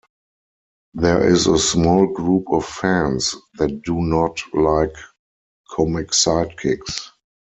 There is a small group of fans that do not like comic sidekicks.